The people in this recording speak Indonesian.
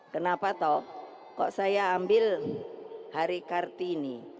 kenapa toh kok saya ambil hari kartini